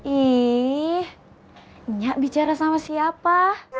ih gak bicara sama siapa